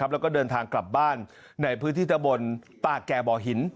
แล้วก็เดินทางกลับบ้านในพื้นที่ตะบนปากแก่บ่อหิน